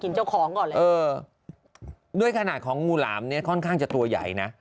เจ้าของก่อนเลยเออด้วยขนาดของงูหลามเนี้ยค่อนข้างจะตัวใหญ่นะ